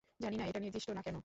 জানি না এটা নির্দিষ্ট না কেন।